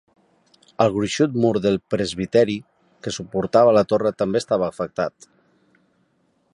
El gruixut mur del presbiteri que suportava la torre també estava afectat.